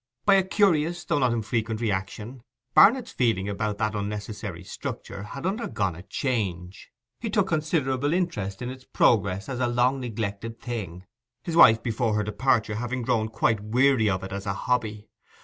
By a curious though not infrequent reaction, Barnet's feelings about that unnecessary structure had undergone a change; he took considerable interest in its progress as a long neglected thing, his wife before her departure having grown quite weary of it as a hobby.